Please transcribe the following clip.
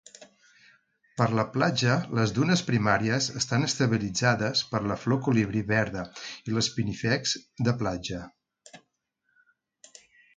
Per la platja, les dunes primàries estan estabilitzades per la flor colibrí verda i l'spinifex de platja.